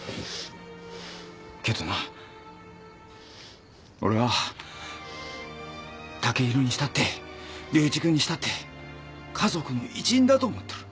けどな俺は剛洋にしたって竜一君にしたって家族の一員だと思ってる。